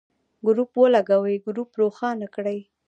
ګروپ ولګوئ ، ګروپ روښانه کړئ.